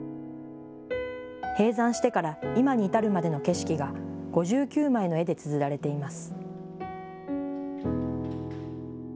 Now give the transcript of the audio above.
閉山してから今に至るまでの景色が５９枚の絵でつづられています。